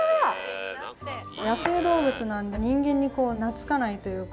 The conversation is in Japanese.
野生動物なので人間に懐かないというか。